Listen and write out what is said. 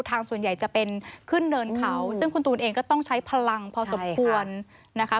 ส่วนใหญ่จะเป็นขึ้นเนินเขาซึ่งคุณตูนเองก็ต้องใช้พลังพอสมควรนะคะ